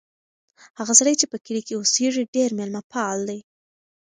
هغه سړی چې په کلي کې اوسیږي ډېر مېلمه پال دی.